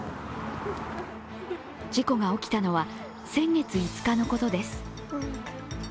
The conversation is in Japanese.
事故が起きたのは先月５日のことです。